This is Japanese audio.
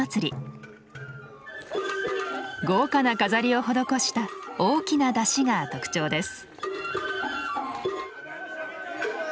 豪華な飾りを施した大きな山車が特徴です。